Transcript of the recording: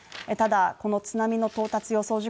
ただ、この津波の到達予想